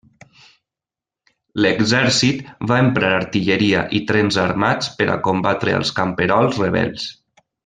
L'exèrcit va emprar artilleria i trens armats per a combatre als camperols rebels.